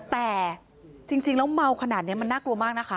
แต่จริงแล้วเมาขนาดนี้มันน่ากลัวมากนะคะ